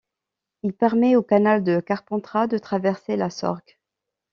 Il permet au Canal de Carpentras de traverser la Sorgue.